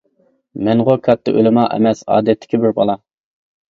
مەنغۇ كاتتا ئۆلىما ئەمەس ئادەتتىكى بىر بالا.